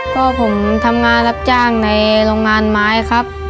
ก็ผมทำงานรับจ้างในโรงงานไม้ครับ